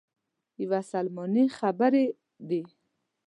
یوه سلماني خبرې دي.